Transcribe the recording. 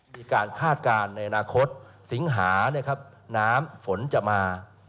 มีการคาดการณ์ในอนาคตสิงหาน้ำฝนจะมา